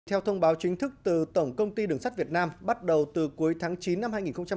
theo thông báo chính thức từ tổng công ty đường sắt việt nam bắt đầu từ cuối tháng chín năm hai nghìn hai mươi